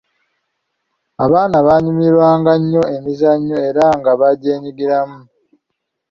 Abaana baanyumirwanga nnyo emizannyo era nga bagyenyigiramu.